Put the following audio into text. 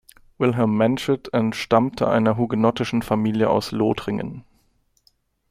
Wilhelm Manchot entstammte einer hugenottischen Familie aus Lothringen.